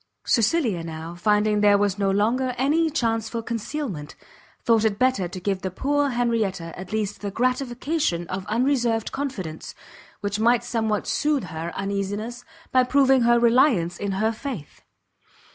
Cecilia now, finding there was no longer any chance for concealment, thought it better to give the poor Henrietta at least the gratification of unreserved confidence, which might somewhat sooth her uneasiness by proving her reliance in her faith.